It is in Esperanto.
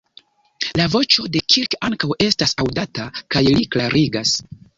La voĉo de Kirk ankaŭ estas aŭdata, kaj li klarigas.